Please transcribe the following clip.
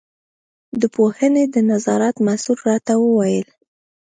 د پوهنې د نظارت مسوول راته وویل.